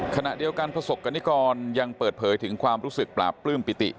ขณะเดียวกันประสบกรณิกรยังเปิดเผยถึงความรู้สึกปราบปลื้มปิติ